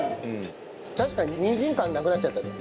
確かににんじん感なくなっちゃったね。